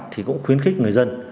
thì cũng khuyến khích người dân